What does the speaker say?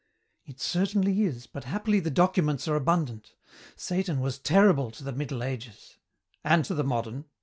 "It certainly is, but happily the documents are abundant. Satan was terrible to the Middle Ages " "And to the modern."